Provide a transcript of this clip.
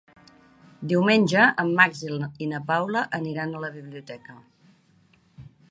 Diumenge en Max i na Paula aniran a la biblioteca.